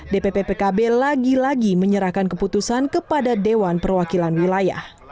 dpp pkb lagi lagi menyerahkan keputusan kepada dewan perwakilan wilayah